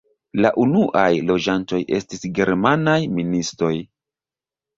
La unuaj loĝantoj estis germanaj ministoj.